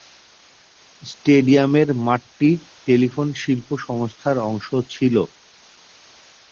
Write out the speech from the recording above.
স্টেডিয়ামের মাঠটি টেলিফোন শিল্প সংস্থার অংশ ছিল।